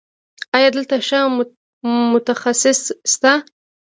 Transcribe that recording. ایا دلته ښه متخصص شته؟